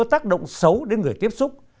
tác động xấu đến người tiếp xúc